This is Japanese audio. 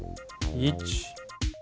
１。